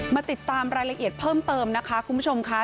มาติดตามรายละเอียดเพิ่มเติมนะคะคุณผู้ชมค่ะ